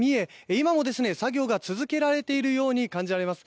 今も作業が続けられているように感じます。